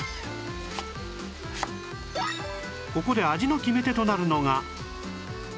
ここで味の決め手となるのが